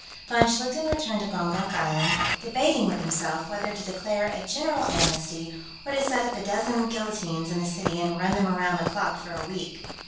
Von Schlichten returned to Gongonk Island, debating with himself whether to declare a general amnesty or to set up a dozen guillotines in the city and run them around the clock for a week.